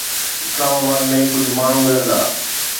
اسلام آباد ۾ ڪجهه ماڻهو ملندا.